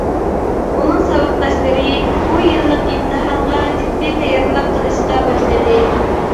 ئۇنىڭ ساۋاقداشلىرى بۇ يىللىق ئىمتىھانغا جىددىي تەييارلىق قىلىشقا باشلىدى.